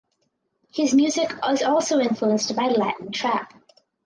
His music is also influenced by Latin trap.